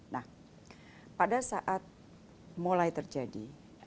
nah pada saat mulai terjadi